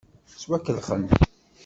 Ttwakellxen.